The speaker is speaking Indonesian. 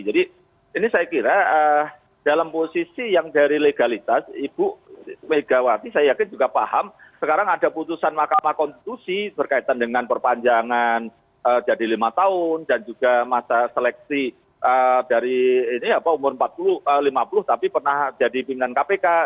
jadi ini saya kira dalam posisi yang dari legalitas ibu megawati saya yakin juga paham sekarang ada putusan mahkamah konstitusi berkaitan dengan perpanjangan jadi lima tahun dan juga masa seleksi dari ini apa umur empat puluh lima puluh tapi pernah jadi pimpinan kpk